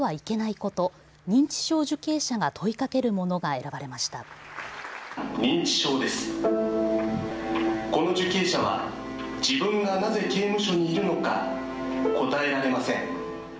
この受刑者は自分がなぜ刑務所にいるのか答えられません。